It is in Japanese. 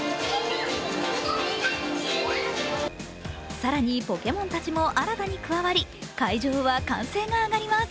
更にポケモンたちも新たに加わり、会場は歓声が上がります。